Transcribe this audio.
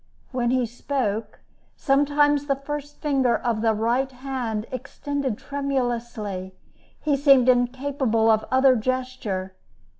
When he spoke, sometimes the first finger of the right hand extended tremulously; he seemed incapable of other gesture.